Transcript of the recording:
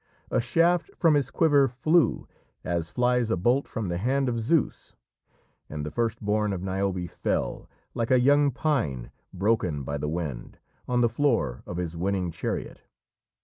A shaft from his quiver flew, as flies a bolt from the hand of Zeus, and the first born of Niobe fell, like a young pine broken by the wind, on the floor of his winning chariot.